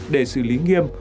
để xử lý nghiêm